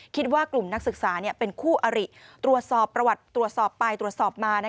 คิดว่ากลุ่มนักศึกษาเป็นคู่อริตรวจสอบประวัติตรวจสอบไปตรวจสอบมา